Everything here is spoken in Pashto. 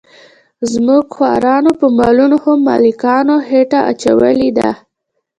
زموږ خوارانو په مالونو خو ملکانو خېټه اچولې ده.